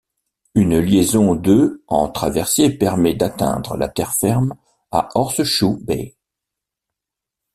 Une liaison de en traversier permet d'atteindre la terre ferme à Horseshoe Bay.